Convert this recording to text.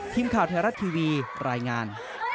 ทีมข่าวไทยรัฐทีวีรายงาน